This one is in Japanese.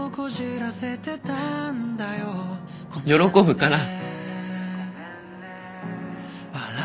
喜ぶから。